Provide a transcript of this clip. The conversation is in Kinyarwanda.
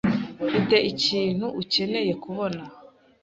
Mfite ikintu ukeneye kubona.